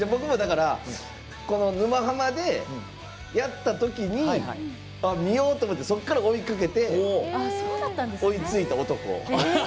だから僕も「沼ハマ」でやったときに見ようと思ってそこから追いかけて追いついた男。